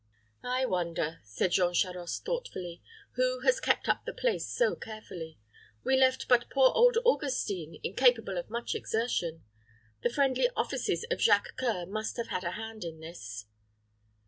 "I wonder," said Jean Charost, thoughtfully, "who has kept up the place so carefully. We left but poor old Augustine, incapable of much exertion. The friendly offices of Jacques C[oe]ur must have had a hand in this."